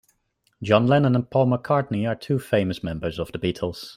John Lennon and Paul McCartney are two famous members of the Beatles.